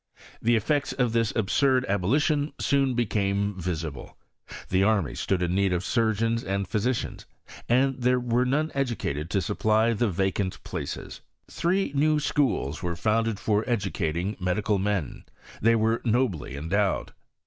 l^e effects of this absurd abolition soon became visible ; the amy stood in need of surgeons and physicians, and there were none educated to supply the vacant places: three new schools were founded for educating medi cal men ; they were nobly endowed.